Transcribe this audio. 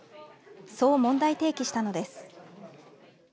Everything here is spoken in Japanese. そう問題提起したのです。